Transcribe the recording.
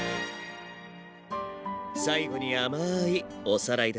最後に甘いおさらいだよ。